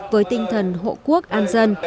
với tinh thần hộ quốc an dân